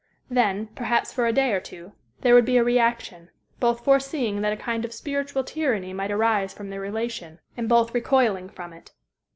Then, perhaps for a day or two, there would be a reaction, both foreseeing that a kind of spiritual tyranny might arise from their relation, and both recoiling from it....